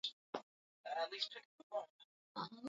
lililoitwa harakati lililoendesha shughuli zake kisiri